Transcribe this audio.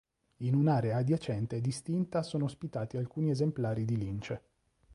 In un'area adiacente e distinta sono ospitati alcuni esemplari di lince.